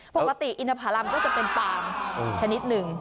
ปกติอินทภารำก็จะเป็นปางชนิดหนึ่ง